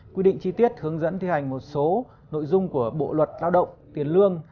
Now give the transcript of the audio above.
quy định chi tiết hướng dẫn thi hành một số nội dung của bộ luật lao động tiền lương